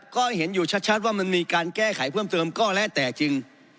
ก็เห็นอยู่ชัดว่ามันมีการแก้ไขเพิ่มเติมก็แล้วแต่จริง